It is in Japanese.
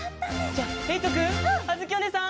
じゃあえいとくんあづきおねえさん